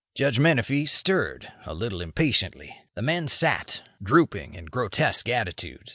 Judge Menefee stirred, a little impatiently. The men sat, drooping, in grotesque attitudes.